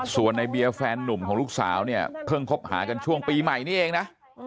ส่วนในเบียร์แฟนนุ่มของลูกสาวเนี่ยเพิ่งคบหากันช่วงปีใหม่นี่เองนะ